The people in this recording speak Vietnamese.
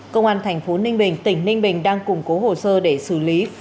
công an thành phố ninh bình tỉnh ninh bình đang củng cố hồ sơ để xử lý